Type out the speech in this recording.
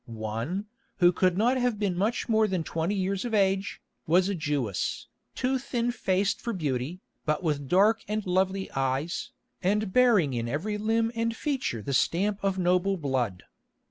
One, who could not have been much more than twenty years of age, was a Jewess, too thin faced for beauty, but with dark and lovely eyes, and bearing in every limb and feature the stamp of noble blood.